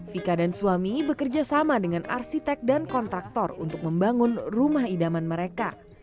vika dan suami bekerja sama dengan arsitek dan kontraktor untuk membangun rumah idaman mereka